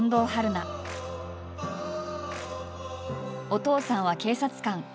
お父さんは警察官。